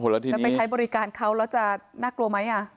แล้วไปใช้บริการเขาแล้วจะน่ากลัวไหม